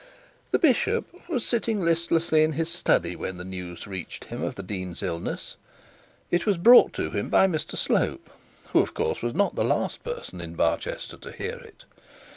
The bishop was sitting listlessly in his study when the news reached him of the dean's illness. It was brought to him by Mr Slope, who of course was not the last person in Barchester to hear it.